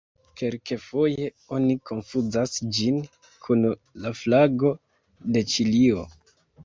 Kelkfoje oni konfuzas ĝin kun la flago de Ĉilio.